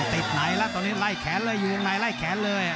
ติดไหนล่ะตอนนี้ไล่แขนเลยอยู่ไหนไล่แขนเลย